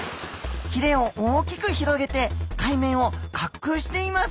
ヒレを大きく広げて海面を滑空しています。